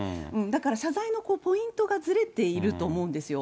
だから謝罪のポイントがずれていると思うんですよ。